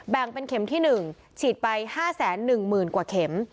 แบ่งเป็นเข็มที่๑ฉีดไป๕๑๐๐๐กว่าเข็ม